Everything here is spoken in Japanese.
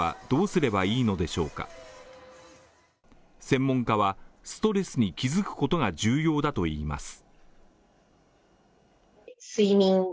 専門家はストレスに気づくことが重要だといいます。